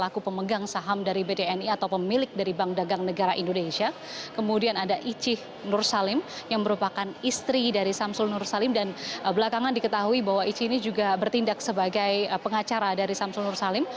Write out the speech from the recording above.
kewajiban pemegang nasional indonesia yang dimiliki pengusaha syamsul nursalim